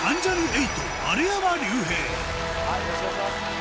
よろしくお願いします。